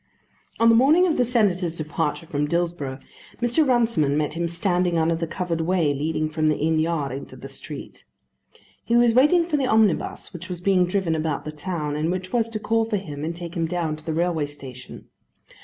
On the morning of the Senator's departure from Dillsborough, Mr. Runciman met him standing under the covered way leading from the inn yard into the street. He was waiting for the omnibus which was being driven about the town, and which was to call for him and take him down to the railway station.